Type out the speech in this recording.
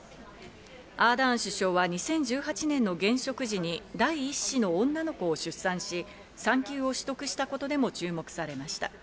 アーダーン首相は２０１８年の現職時に第１子の女の子を出産し、産休を取得したことでも注目されました。